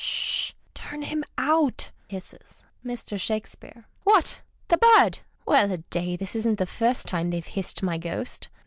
— Sh h h ! Turn him out ! {Hisses.) Mr. Shakespeare.— What ! the " bird "! Well a day, this isn't the first time they've hissed my Ghost.